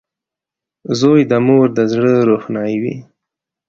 • زوی د مور د زړۀ روښنایي وي.